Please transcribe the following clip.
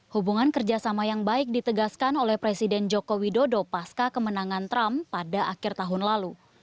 hubungan kerjasama yang baik ditegaskan oleh presiden joko widodo pasca kemenangan trump pada akhir tahun lalu